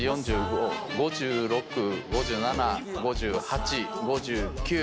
５６５７５８５９。